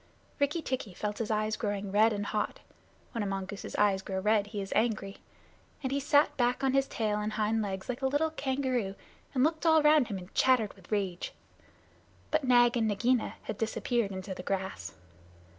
Rikki tikki felt his eyes growing red and hot (when a mongoose's eyes grow red, he is angry), and he sat back on his tail and hind legs like a little kangaroo, and looked all round him, and chattered with rage. But Nag and Nagaina had disappeared into the grass.